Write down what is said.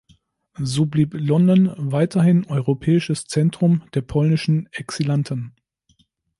So blieb London weiterhin europäisches Zentrum der polnischen Exilanten.